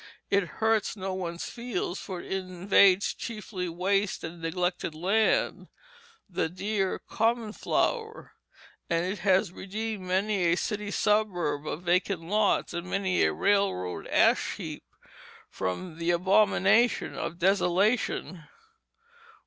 It hurts no one's fields, for it invades chiefly waste and neglected land the "dear common flower" and it has redeemed many a city suburb of vacant lots, many a railroad ash heap from the abomination of desolation.